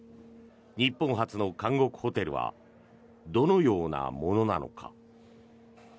日本初の監獄ホテルはどのようなものなのか。